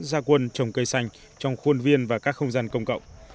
gia quân trồng cây xanh trong khuôn viên và các không gian công cộng